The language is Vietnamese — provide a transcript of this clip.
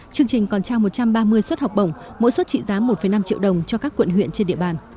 chương trình còn trao một trăm ba mươi suất học bổng mỗi suất trị giá một năm triệu đồng cho các quận huyện trên địa bàn